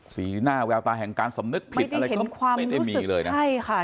สีหน้าแววตาแห่งการสำนึกผิดไม่ได้เห็นความรู้สึกใช่ค่ะ